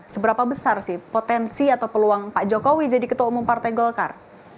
seberapa besar sih potensi atau peluang pak jokowi jadi ketua umum partai golkar